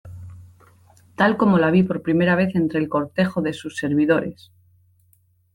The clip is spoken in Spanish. tal como la vi por vez primera entre el cortejo de sus servidores